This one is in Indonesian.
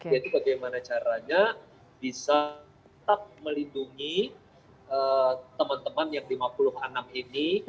jadi bagaimana caranya bisa tetap melindungi teman teman yang lima puluh enam ini